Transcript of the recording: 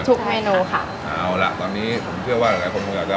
เราบอกว่าไปลองทานอาจารย์บางช่องของเยดเขา